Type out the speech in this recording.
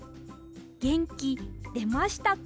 げんきでましたか？